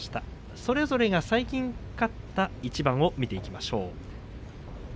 それぞれが最近勝った一番を見ていきましょう。